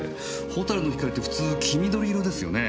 ホタルの光って普通黄緑色ですよね。